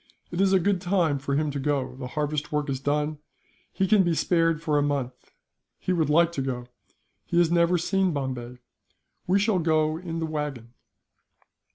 It is a good time for him to go. The harvest work is done, he can be spared for a month. He would like to go. He has never seen Bombay. We shall go in the wagon."